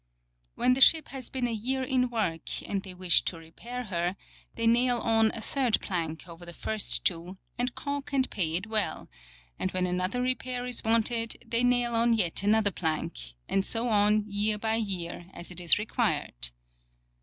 When the ship has lieen a year in work and they wish Chap. I. THE MERCHANT SHIPS OF MANZI. 197 to repair her, they nail on a third plank over the first two, and caulk and pay it well ; and when another repair is wanted they nail on yet another plank, and so on year by year as it is required.